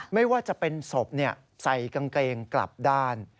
ไม่ว่าจะเป็นศพใส่กางเกงกลับด้าน